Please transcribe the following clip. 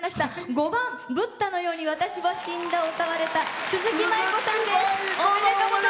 ５番「ブッダのように私は死んだ」を歌われたすずきさんです！